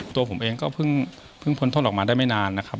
ตัวผมเองก็เพิ่งพ้นโทษออกมาได้ไม่นานนะครับ